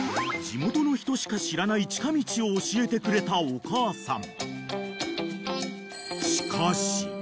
［地元の人しか知らない近道を教えてくれたお母さん］